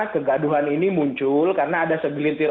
kegaduhan ini muncul karena ada segelintir